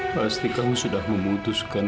pasti kamu sudah memutuskan